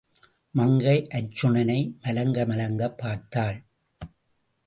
மங்கை, அர்ச்சுனனை மலங்க மலங்கப் பார்த்தாள்.